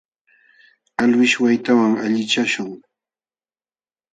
Alwish waytawan allichashun.